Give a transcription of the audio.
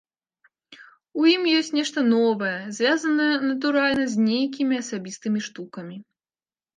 У ім ёсць нешта новае, звязанае, натуральна, з нейкімі асабістымі штукамі.